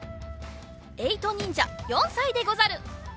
えいとにんじゃ４さいでござる！